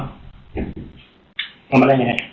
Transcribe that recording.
พี่ผมบ้างเลยพี่